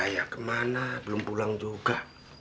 saya kemana belum pulang juga